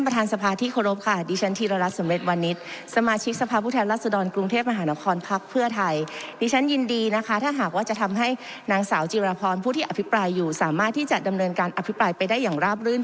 ที่กล่าวว่าท่านสุภาชัยก่อกวน